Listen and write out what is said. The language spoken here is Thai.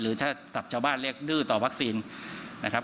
หรือถ้าสับชาวบ้านเรียกดื้อต่อวัคซีนนะครับ